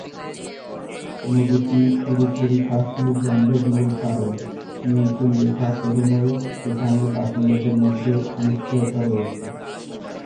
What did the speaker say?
নদীটি পুরোপুরি কাশ্মীর দ্বন্দ্বের মূল কারণ নিয়ন্ত্রণ রেখা পেরোনোয় সেখানে বাসিন্দাদের মধ্যে অনিশ্চয়তা রয়েছে।